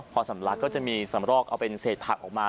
พอสำลักก็จะมีสำรอกเอาเป็นเศษผักออกมา